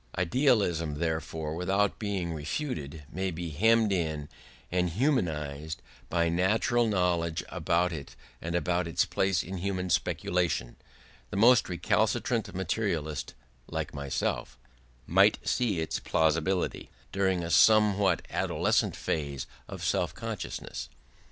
Idealism, therefore, without being refuted, may be hemmed in and humanised by natural knowledge about it and about its place in human speculation; the most recalcitrant materialist (like myself) might see its plausibility during a somewhat adolescent phase of self consciousness.